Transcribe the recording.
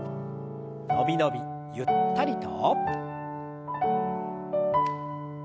伸び伸びゆったりと。